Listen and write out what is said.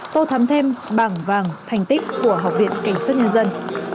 tô thắm thêm bảng vàng thành tích của học viện cảnh sát nhân dân